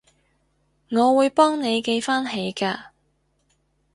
我會幫你記返起㗎